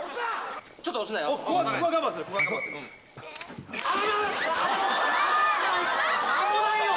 ちょっと押すなよ。